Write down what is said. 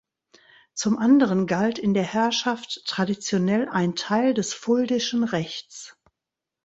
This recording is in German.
Zum anderen galt in der Herrschaft traditionell ein Teil des Fuldischen Rechts.